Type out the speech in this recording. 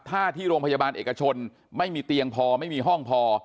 ถ้าที่โรงพยาบาลเอกชนไม่มีเตียงพอไม่มีห้องพอ